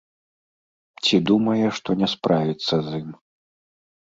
Ці думае, што не справіцца з ім.